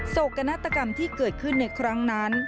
โศกนาฏกรรมที่เกิดขึ้นในครั้งนั้น